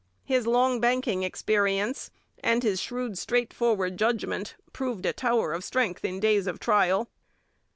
His long banking experience and his shrewd, straightforward judgment proved a tower of strength in days of trial.